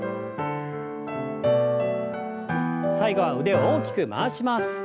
最後は腕を大きく回します。